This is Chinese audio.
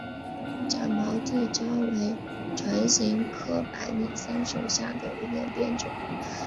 展毛地椒为唇形科百里香属下的一个变种。